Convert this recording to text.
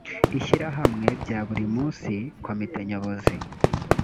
ishyirahamwe bya buri munsi komite nyobozi